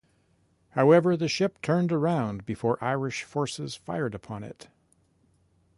However, the ship turned around before Irish forces fired upon it.